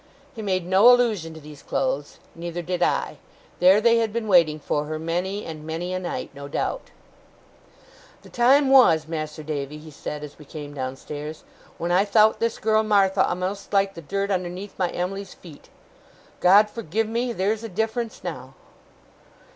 He made no allusion to these clothes, neither did I. There they had been waiting for her, many and many a night, no doubt. 'The time was, Mas'r Davy,' he said, as we came downstairs, 'when I thowt this girl, Martha, a'most like the dirt underneath my Em'ly's feet. God forgive me, theer's a difference now!